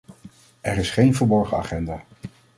Er is geen verborgen agenda.